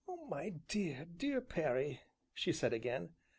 "My dear, dear Perry!" said she again.